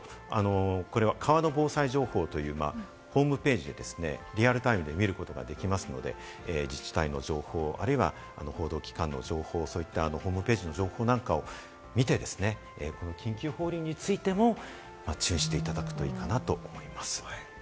これは川の防災情報というホームページ、リアルタイムで見ることができますので、自治体の情報、あるいは報道機関の情報、そういったホームページの情報なんかを見て、緊急放流についても注意していただければいいかなと思います。